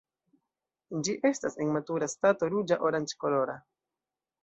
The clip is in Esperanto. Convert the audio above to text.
Ĝi estas en matura stato ruĝa-oranĝkolora.